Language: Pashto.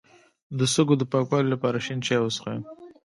د سږو د پاکوالي لپاره شین چای وڅښئ